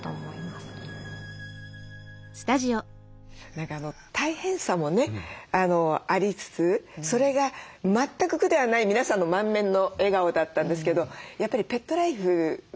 何か大変さもねありつつそれが全く苦ではない皆さんの満面の笑顔だったんですけどやっぱりペットライフ